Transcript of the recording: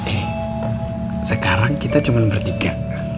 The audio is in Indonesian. eh sekarang kita cuma bertiga